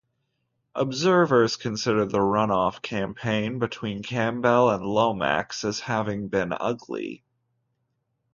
Observers considered the runoff campaign between Campbell and Lomax as having been ugly.